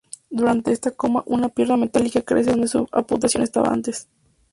Durante este coma una pierna metálica crece donde su amputación estaba antes.